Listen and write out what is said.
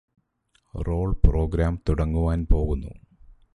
role programme തുടങ്ങുവാൻ പോകുന്നു